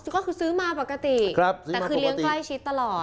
ก็คือซื้อมาปกติแต่คือเลี้ยงใกล้ชิดตลอด